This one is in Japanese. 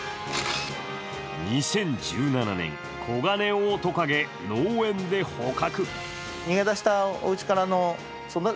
２０１７年、コガネオオトカゲ農園で捕獲。